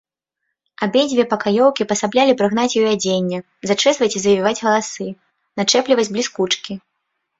Абедзве пакаёўкі пасаблялі прыгнаць ёй адзенне, зачэсваць і завіваць валасы, начэпліваць бліскучкі.